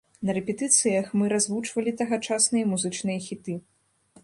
На рэпетыцыях мы развучвалі тагачасныя музычныя хіты.